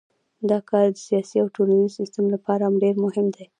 دا کار د سیاسي او ټولنیز سیستم لپاره ډیر مهم دی.